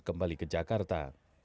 kembali ke jakarta